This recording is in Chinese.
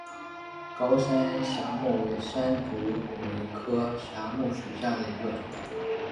高山梾木为山茱萸科梾木属下的一个种。